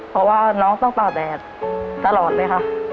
เพราะว่าน้องต้องตากแดดตลอดเลยค่ะ